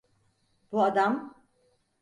Bu adam?